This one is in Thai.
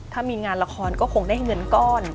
ถ้ามีงานละครก็คงได้เงินก้อน